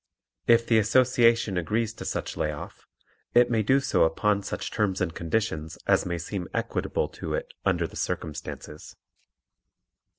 If the Association agrees to such lay off it may do so upon such terms and conditions as may seem equitable to it under the circumstances.